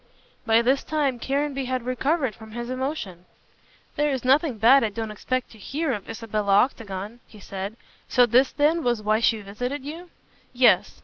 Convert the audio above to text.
By this time Caranby had recovered from his emotion. "There is nothing bad I don't expect to hear of Isabella Octagon," he said, "so this then was why she visited you?" "Yes.